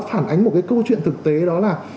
phản ánh một cái câu chuyện thực tế đó là